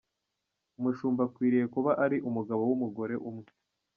Umushumba akwiriye kuba ari umugabo w’umugore umwe:.